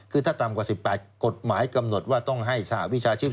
คือถ้าต่ำกว่า๑๘กฎหมายกำหนดว่าต้องให้สหวิชาชีพ